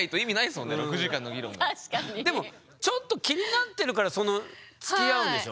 でもちょっと気になってるからつきあうんでしょ？